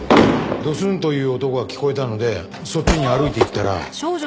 ドスンという音が聞こえたのでそっちに歩いていったら。